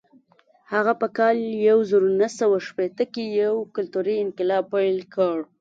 هغه په کال یو زر نهه سوه شپېته کې یو کلتوري انقلاب پیل کړ.